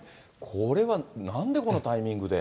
これはなんでこのタイミングで。